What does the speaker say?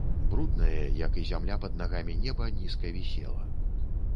Бруднае, як і зямля пад нагамі, неба нізка вісела.